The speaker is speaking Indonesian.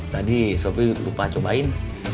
tadi sobri lupa cobain